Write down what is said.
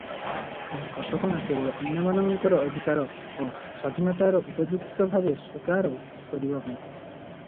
ଏହି କଟକଣା କେବଳ ଅନ୍ୟମାନଙ୍କର ଅଧିକାର ଓ ସ୍ୱାଧୀନତାର ଉପଯୁକ୍ତ ଭାବେ ସ୍ୱୀକାର କରିବା ପାଇଁ ।